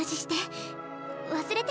忘れて？